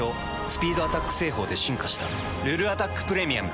スピードアタック製法で進化した「ルルアタックプレミアム」誕生。